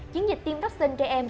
chiến dịch tiêm vaccine cho trẻ em